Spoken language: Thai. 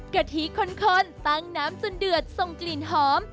กะทิข้นตั้งน้ำจนเดือดส่งกลิ่นหอม